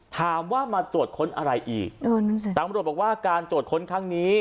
ถามว่ามาตรวจค้นอะไรอีกเออนั่นสิตำรวจบอกว่าการตรวจค้นครั้งนี้